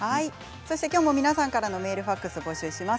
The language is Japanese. きょうも皆さんからのメール、ファックスを募集します。